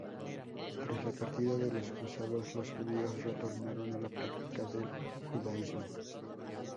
Tras la partida de los cruzados, los judíos retornaron a la práctica del judaísmo.